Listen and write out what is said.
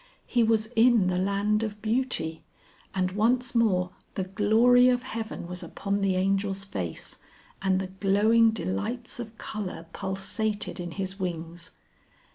He was in the land of Beauty, and once more the glory of heaven was upon the Angel's face, and the glowing delights of colour pulsated in his wings.